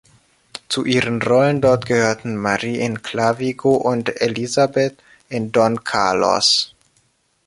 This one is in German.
Zu ihren Rollen dort gehörten Marie in "Clavigo" und Elisabeth in "Don Carlos".